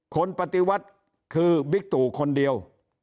ปฏิวัติคือบิ๊กตู่คนเดียว